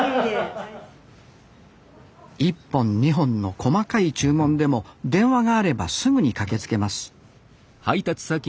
１本２本の細かい注文でも電話があればすぐに駆けつけます